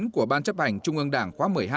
của ban chấp hành trung ương đảng khóa một mươi hai